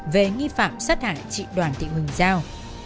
về nghi phạm sát hại trị đoàn tị huỳnh giao